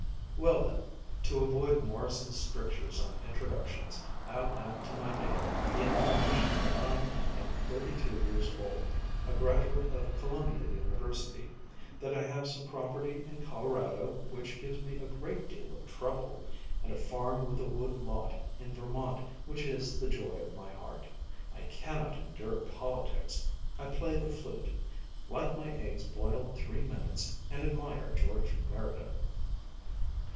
"Well then, to avoid Morrison's strictures on introductions I'll add to my name the information that I am thirty two years old; a graduate of Columbia University; that I have some property in Colorado which gives me a great deal of trouble; and a farm with a wood lot in Vermont which is the joy of my heart. I cannot endure politics; I play the flute, like my eggs boiled three minutes, and admire George Meredith."